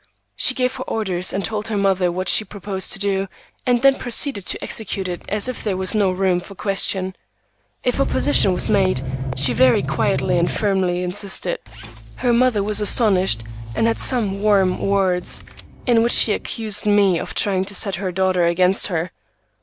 She gave her orders and told her mother what she proposed to do, and then proceeded to execute it as if there was no room for question. If opposition was made, she very quietly and firmly insisted. Her mother was astonished and had some warm words, in which she accused me of trying to set her daughter against her.